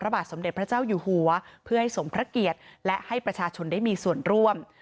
บาทสมเด็จพระเจ้าอยู่หัวเพื่อให้สมพระเกียรติและให้ประชาชนได้มีส่วนร่วม